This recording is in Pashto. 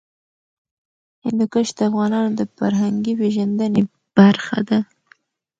هندوکش د افغانانو د فرهنګي پیژندنې برخه ده.